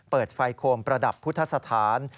เปิดไฟโคมประดับพุทธสถาน